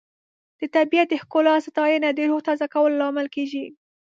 د طبیعت د ښکلا ستاینه د روح تازه کولو لامل کیږي.